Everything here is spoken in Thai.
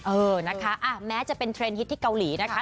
เออนะคะแม้จะเป็นเทรนดฮิตที่เกาหลีนะคะ